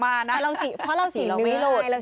เพราะเราสีเนื้อไง